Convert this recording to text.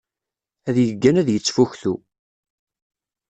Ad yeggan ad yettfuktu.